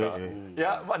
いやまあ